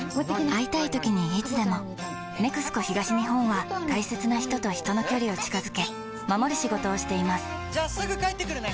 会いたいときにいつでも「ＮＥＸＣＯ東日本」は大切な人と人の距離を近づけ守る仕事をしていますじゃあすぐ帰ってくるね！